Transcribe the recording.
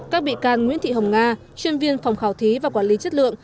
các bị can nguyễn thị hồng nga chuyên viên phòng khảo thí và quản lý chất lượng